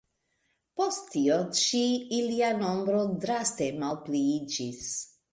Post tio ĉi, ilia nombro draste malpliiĝis.